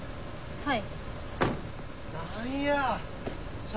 はい。